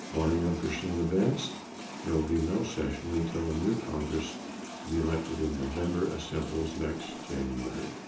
Barring unforeseen events, there will be no session until the new Congress, to be elected in November, assembles next January.